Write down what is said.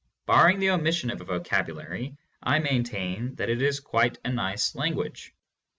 Bar ring the omission of a vocabulary I maintain that it is quite a nice language.